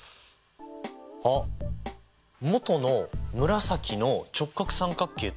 あっ元の紫の直角三角形と合同？